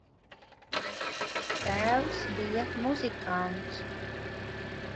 Tēvs bija muzikants.